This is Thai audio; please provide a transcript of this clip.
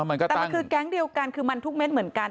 มันก็ตั้งแต่มันคือกแกงก์เดียวกันคือมันทุกเม้นเหมือนกัน